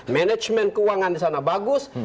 manajemen keuangan disana bagus